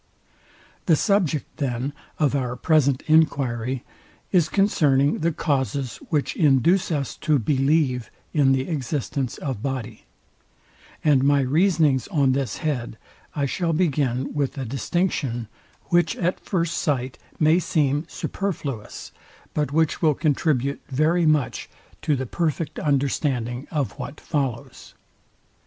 The subject, then, of our present enquiry is concerning the causes which induce us to believe in the existence of body: And my reasonings on this head I shall begin with a distinction, which at first sight may seem superfluous, but which will contribute very much to the perfect understanding of what follows.